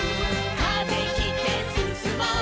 「風切ってすすもう」